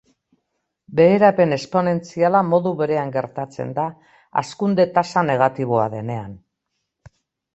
Beherapen esponentziala modu berean gertatzen da, hazkunde tasa negatiboa denean.